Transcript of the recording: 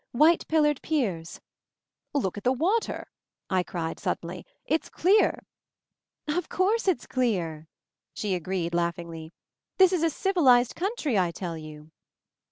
White pillared piers " "Look at the water!" I cried, suddenly. "It's clear !" "Of course it's clear," she agreed laugh ingly. "This is a civilized country, I tell you."